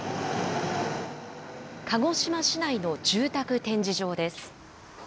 鹿児島市内の住宅展示場です。